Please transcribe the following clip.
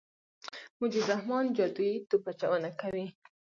مجيب الرحمن جادويي توپ اچونه کوي.